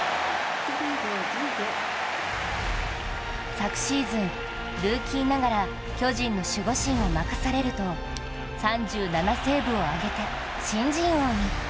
昨シーズン、ルーキーながら巨人の守護神を任されると３７セーブを挙げて新人王に。